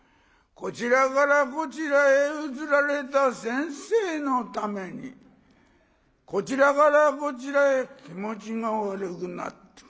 こちらからこちらへ移られた先生のためにこちらからこちらへ気持ちが悪くなって。